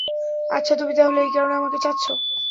আচ্ছা, তুমি তাহলে এই কারণে আমাকে চাচ্ছ।